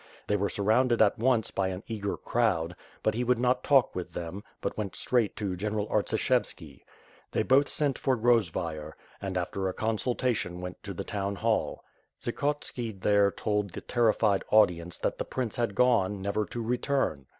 They were surrounded at once by an eager crowd, but he would not talk with them, but went straight to General Artsishevski. They both sent for Grozvayer, and after a con sultation went to the Town Hall. Tsikhotski there told the terrified audience that the prince had gone, never to return.